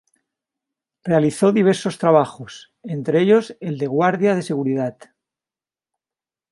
Realizó diversos trabajos, entre ellos el de guardia de seguridad.